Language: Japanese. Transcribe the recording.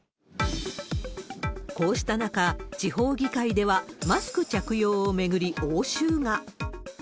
こうした中、地方議会ではマスク着用を巡り応酬が。